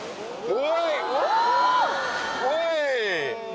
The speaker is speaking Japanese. おい！